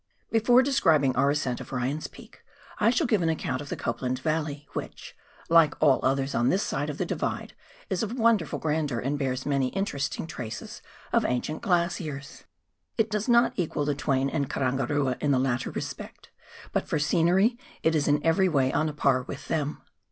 Before describing our ascent of Ryan's Peak, I shall give an account of the Copland Valley, which, like all others on this side of the Divide, is of wonderful grandeur, and bears many interesting traces of ancient glaciers. It does not equal the Twain and Karangarua in the latter respect, but for scenery it is in every way on a par with them.